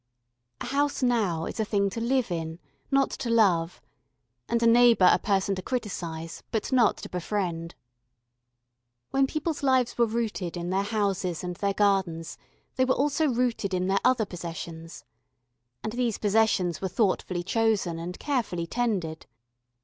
A house now is a thing to live in, not to love; and a neighbour a person to criticise, but not to befriend. [Illustration: THE SILVER TOWERS.] When people's lives were rooted in their houses and their gardens they were also rooted in their other possessions. And these possessions were thoughtfully chosen and carefully tended.